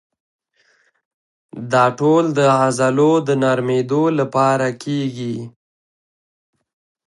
دا ټول د عضلو د نرمېدو لپاره کېږي.